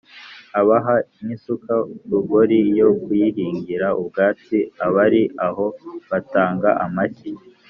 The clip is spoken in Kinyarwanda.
abaha n’isuka rugori yo kuyihingira ubwatsi; abari aho batanga amashyi